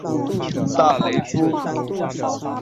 大雷夫。